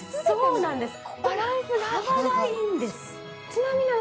そうなんですよ